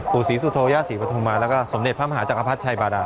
ปุ๋ศีสุทโทยาสีปุธิมาสแล้วก็สมเด็จพระมหาชกภัสถ์ชัยบาดาล